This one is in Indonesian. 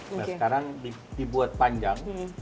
sekarang dibuat panjang